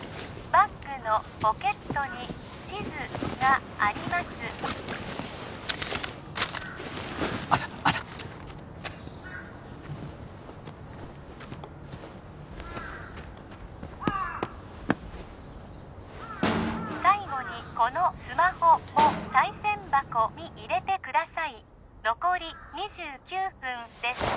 バッグのポケットに地図がありますあったあった最後にこのスマホを賽銭箱に入れてください残り２９分です